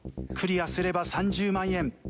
クリアすれば３０万円。